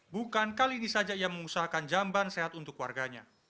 bukan kali ini saja ia mengusahakan jamban sehat untuk warganya